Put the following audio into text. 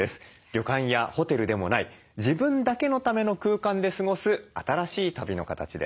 旅館やホテルでもない自分だけのための空間で過ごす新しい旅の形です。